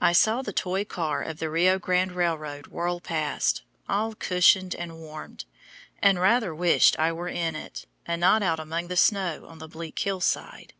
I saw the toy car of the Rio Grande Railroad whirl past, all cushioned and warm, and rather wished I were in it, and not out among the snow on the bleak hill side.